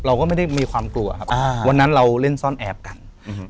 เราก็ไม่ได้มีความกลัวครับอ่าวันนั้นเราเล่นซ่อนแอบกันอืม